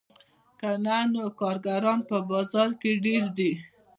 که نه نو کارګران په بازار کې ډېر دي